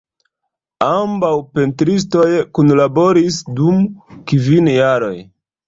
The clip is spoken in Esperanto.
Ambaŭ pentristoj kunlaboris dum kvin jaroj.